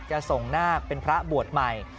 จะส่งนาคเป็นพระบวชใหม่